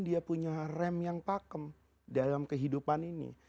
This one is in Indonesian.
dia punya rem yang pakem dalam kehidupan ini